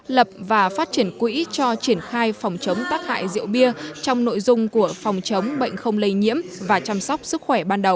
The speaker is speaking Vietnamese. lập và phát triển quỹ cho triển khai phòng chống tác hại rượu bia trong nội dung của phòng chống bệnh không lây nhiễm và chăm sóc sức khỏe ban đầu